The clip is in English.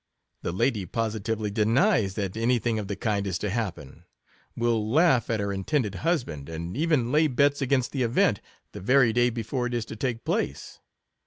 The lady positively denies that any thing of the kind is to happen; will laugh at her in tended husband, and even lay bets against the event, the very day before it is to take place.